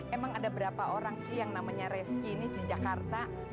emang ada berapa orang sih yang namanya reski ini di jakarta